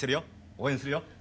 応援するよ。